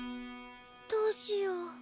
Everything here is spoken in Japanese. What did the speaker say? どうしよう。